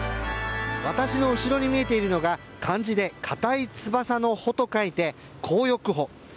私の後ろに見えているのが漢字で硬い翼の帆と書いて硬翼帆。